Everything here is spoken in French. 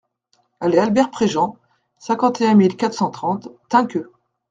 Allée Albert Préjean, cinquante et un mille quatre cent trente Tinqueux